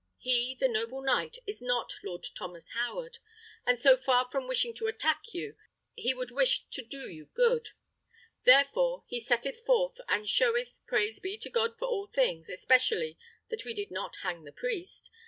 "He, the noble knight, is not Lord Thomas Howard; and so far from wishing to attack you, he would wish to do you good. Therefore he setteth forth and showeth praise be to God for all things, especially that we did not hang the priest!